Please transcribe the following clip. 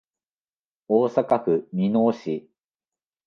大阪府箕面市